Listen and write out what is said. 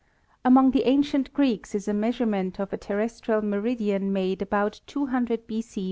Among the ancient Greeks is a measurement of a ter restrial meridian made about 200 b.c.